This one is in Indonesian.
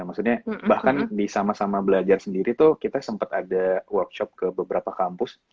maksudnya bahkan di sama sama belajar sendiri tuh kita sempat ada workshop ke beberapa kampus